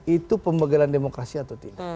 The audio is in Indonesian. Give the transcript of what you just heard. itu pembegalan demokrasi atau tidak